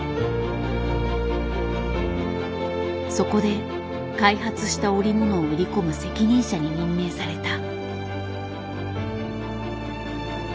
そこで開発した織物を売り込む責任者に任命された。